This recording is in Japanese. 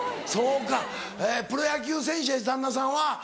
そうかプロ野球選手やし旦那さんは。